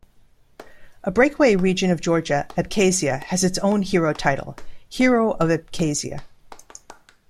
A breakaway region of Georgia, Abkhazia, has its own hero title, "Hero of Abkhazia".